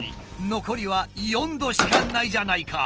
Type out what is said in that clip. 残りは４℃しかないじゃないか！